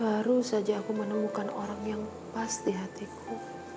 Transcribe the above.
baru saja aku menemukan orang yang pas di hatiku